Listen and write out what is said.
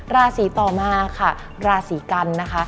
ราศีต่อมาค่ะราศีกันนะคะ